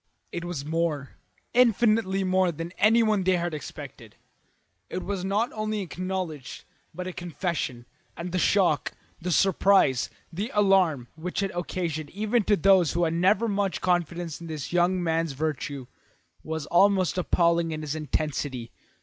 It was more, infinitely more, than anyone there had expected. It was not only an acknowledgment but a confession, and the shock, the surprise, the alarm, which it occasioned even to those who had never had much confidence in this young man's virtue, was almost appalling in its intensity.